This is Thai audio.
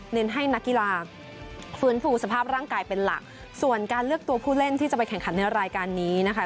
ให้นักกีฬาฟื้นฟูสภาพร่างกายเป็นหลักส่วนการเลือกตัวผู้เล่นที่จะไปแข่งขันในรายการนี้นะคะ